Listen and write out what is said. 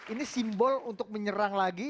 ini simbol untuk menyerang lagi